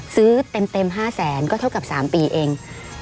ซื้อเต็ม๕แสนก็เท่ากับ๓ปีเอง